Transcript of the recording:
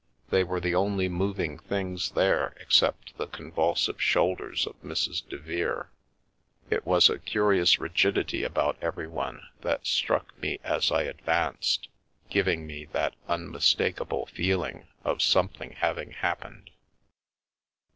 They were the only moving things there except the convulsive shoulders of Mrs. Devere — it was a cu rious rigidity about everyone that struck me as I ad vanced, giving me that unmistakable feeling of something " having happened.